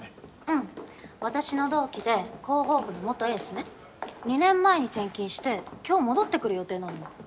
うん私の同期で広報部の元エースね２年前に転勤して今日戻ってくる予定なのよ